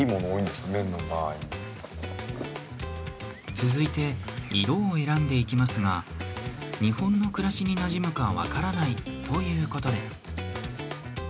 続いて色を選んでいきますが日本の暮らしになじむか分からないということで。